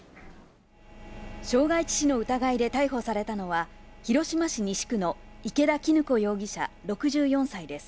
傷害致死の疑いで逮捕されたのは、広島市西区の池田絹子容疑者６４歳です。